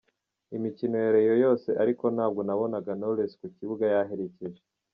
imikino ya Rayon yose ariko ntabwo nabonaga Knowless ku kibuga yaherekeje.